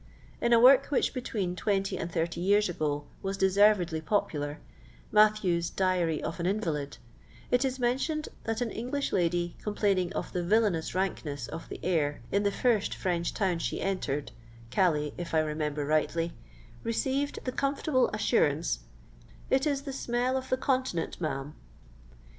In a work which between 20 and 30 years ago was deservedly popular, Mathews's " Diary of an Invalid," it is mentioned that an Bnglish lady complaining of the villanous rankness of the air in the first French town she entered — Calais, if I remember rightly — received the comfortable as surance, "It is the smell of the Continent ma'am."